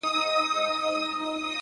او په گوتو کي يې سپين سگريټ نيولی،